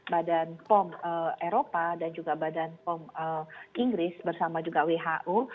badan pom eropa dan juga badan pom inggris bersama juga who